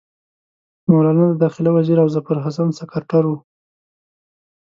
مولنا د داخله وزیر او ظفرحسن سکرټر وو.